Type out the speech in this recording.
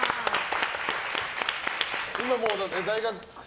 今、もう大学生？